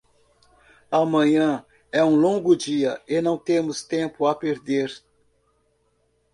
Amanhã é um longo dia e não temos tempo a perder.